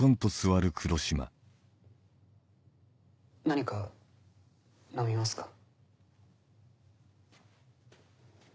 何か飲みますか？